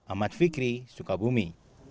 ahmad fikri sukabumi